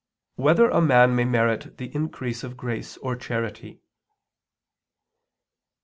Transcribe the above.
8] Whether a Man May Merit the Increase of Grace or Charity?